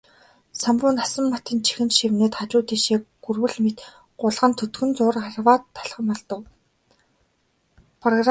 Самбуу Насанбатын чихэнд шивгэнээд хажуу тийшээ гүрвэл мэт гулган төдхөн зуур арваад алхам холдов.